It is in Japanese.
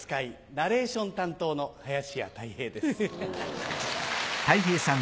ナレーション担当の林家たい平です。